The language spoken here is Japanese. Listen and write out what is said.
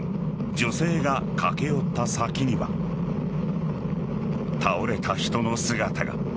女性が駆け寄った先には倒れた人の姿が。